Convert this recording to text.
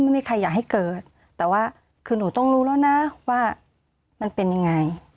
ไม่มีใครอยากให้เกิดแต่ว่าคือหนูต้องรู้แล้วนะว่ามันเป็นยังไง